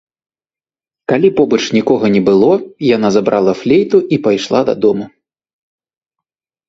Калі побач нікога не было, яна забрала флейту і пайшла дадому.